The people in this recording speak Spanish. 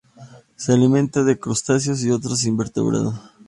Se alimenta de crustáceos y otros invertebrados.